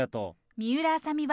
水卜麻美は。